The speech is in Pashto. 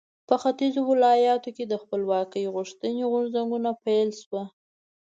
په ختیځو ولایاتو کې د خپلواکۍ غوښتنې غورځنګونو پیل شو.